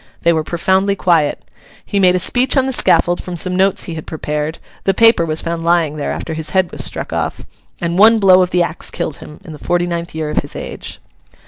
They were profoundly quiet. He made a speech on the scaffold from some notes he had prepared (the paper was found lying there after his head was struck off), and one blow of the axe killed him, in the forty ninth year of his age.